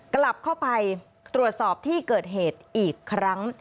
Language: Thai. กลับเข้าไปตรวจสอบที่เกิดเหตุอีกครั้ง